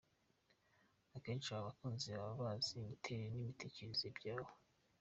Akenshi aba bakunzi baba bazi imiterere n’imitekerereze byawe.